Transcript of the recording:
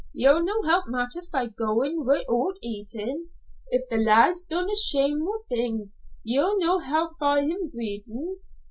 Ye'll no help matters by goin' wi'oot eatin'. If the lad's done a shamefu' like thing, ye'll no help him by greetin'.